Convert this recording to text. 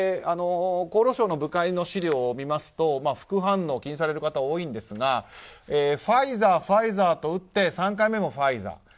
厚労省の部会の資料を見ますと副反応を気にされる方が多いんですがファイザー、ファイザーと打って３回目もファイザー。